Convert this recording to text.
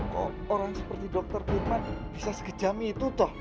kok orang seperti doktor firman bisa segejami itu toh